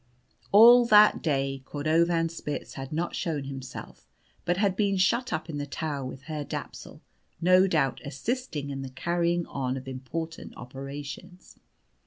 All that day Cordovanspitz had not shown himself, but had been shut up in the tower with Herr Dapsul, no doubt assisting in the carrying on of important operations.